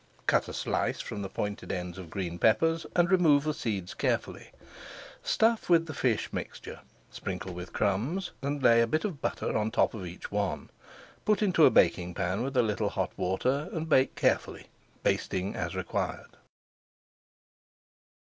Cut a slice from the pointed ends of green peppers, and remove the seeds carefully. Stuff with the fish mixture, sprinkle with crumbs, [Page 468] and lay a bit of butter on top of each one. Put into a baking pan with a little hot water and bake carefully, basting as required.